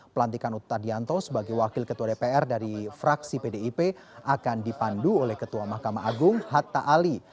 pelantikan utadianto sebagai wakil ketua dpr dari fraksi pdip akan dipandu oleh ketua mahkamah agung hatta ali